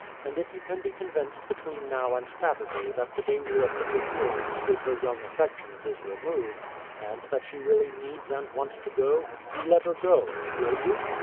And if you can be convinced between now and Saturday that the danger of interference with her young affections is removed, and that she really needs and wants to go, you let her go! Will you?"